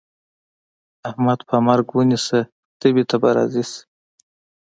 احمد په مرګ ونيسه؛ تبې ته به راضي شي.